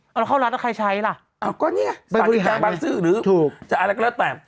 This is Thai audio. เอาแล้วเข้ารัฐแล้วใครใช้ล่ะก็นี่สถานการณ์บังซื้อหรืออะไรก็แล้วแต่